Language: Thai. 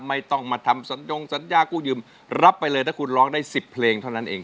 ไม่ต้องมาทำสัญญงสัญญากู้ยืมรับไปเลยถ้าคุณร้องได้๑๐เพลงเท่านั้นเอง